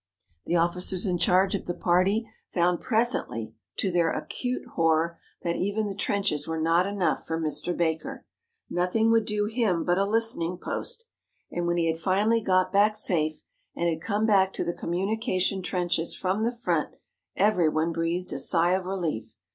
The officers in charge of the party found presently, to their acute horror, that even the trenches were not enough for Mr. Baker. Nothing would do him but a listening post. And when he had finally got back safe, and had come back to the communication trenches from the front, everybody breathed a sigh of relief.